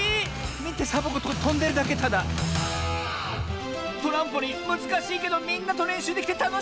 みてサボ子とんでるだけただトランポリンむずかしいけどみんなとれんしゅできてたのしかったわ！